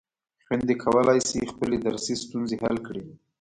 خویندې کولای شي خپلې درسي ستونزې حل کړي.